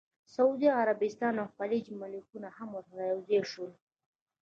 سعودي عربستان او خلیجي ملکونه هم ورسره یوځای شول.